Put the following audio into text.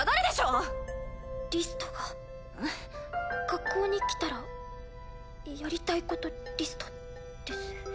「学校に来たらやりたいことリスト」です。